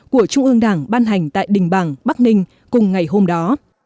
của trung ương đảng ban hành tại đình bàng bắc ninh cùng ngày hôm đó